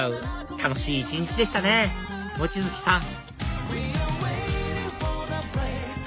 楽しい一日でしたね望月さん